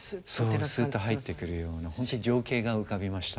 そうすっと入ってくるような本当に情景が浮かびました。